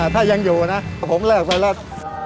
ถ้ายังอยู่นะผมเลิกไปแล้ว